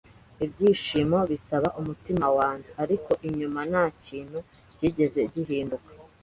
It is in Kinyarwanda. ibyishimo bisaba umutima wanjye, ariko inyuma nta kintu cyigeze gihinduka